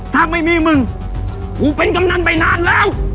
ถ้าไม่มีมึงกูเป็นกำนันไปนานแล้ว